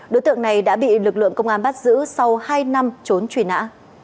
đối tượng này đã bị lực lượng công an bắt giữ sau hai năm trốn truy nã